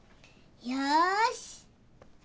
よし。